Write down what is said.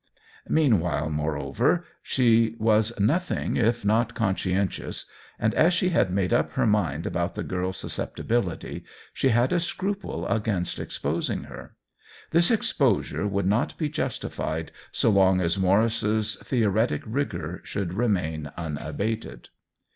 '* Meanwhile, moreover, she was nothing if not conscientious, and as she had made up her mind about the girl's susceptibility, she had a scruple against exposing her. This ex posure would not be justified so long as Maurice's theoretic rigor should remain un abated.